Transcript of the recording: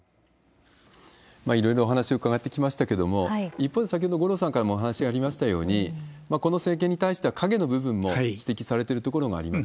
いろいろお話を伺ってきましたけれども、一方で、先ほど五郎さんからもお話ありましたように、この政権に対しては影の部分も指摘されてるところがあります。